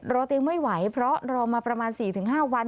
เตียงไม่ไหวเพราะรอมาประมาณ๔๕วัน